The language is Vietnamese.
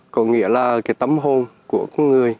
có nghĩa là cái tấm hồn của con người